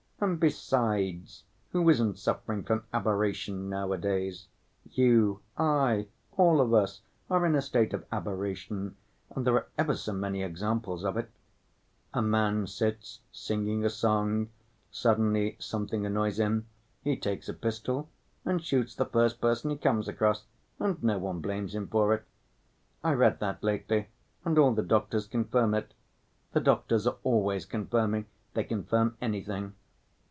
And, besides, who isn't suffering from aberration nowadays?—you, I, all of us are in a state of aberration, and there are ever so many examples of it: a man sits singing a song, suddenly something annoys him, he takes a pistol and shoots the first person he comes across, and no one blames him for it. I read that lately, and all the doctors confirm it. The doctors are always confirming; they confirm anything.